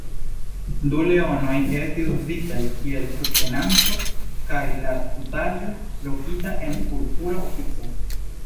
Du leonoj estis uzitaj kiel subtenanto kaj la tutaĵo lokita en purpura ofico.